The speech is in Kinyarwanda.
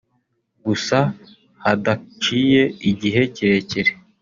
Gusa hadaciye igihe kirekire